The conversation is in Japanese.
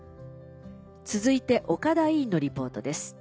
続いて岡田委員のリポートです。